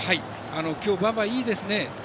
今日、馬場いいですね。